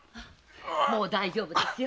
もう大丈夫ですよ。